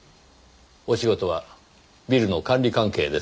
お仕事はビルの管理関係ですね？